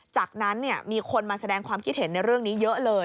จากนั้นมีคนมาแสดงความคิดเห็นในเรื่องนี้เยอะเลย